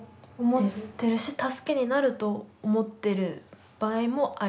思ってるし助けになると思ってる場合もありますね。